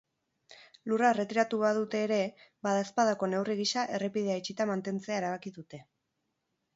Lurra erretiratu badute ere, badaezpadako neurri gisa errepidea itxita mantentzea erabaki dute.